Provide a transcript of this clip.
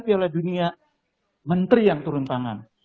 piala dunia menteri yang turun tangan